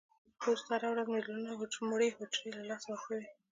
پوست هره ورځ ملیونونه مړه حجرې له لاسه ورکوي.